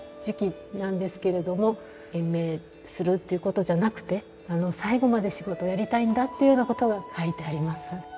延命するっていう事じゃなくて最後まで仕事をやりたいんだっていうような事が書いてあります。